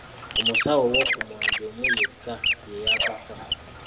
Omusawo ow'okumwanjo omu yekka ye yaakafa.